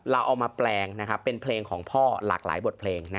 เราเอามาแปลงเป็นเพลงของพ่อหลากหลายบทเพลง